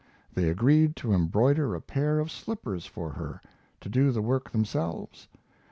They agreed to embroider a pair of slippers for her to do the work themselves.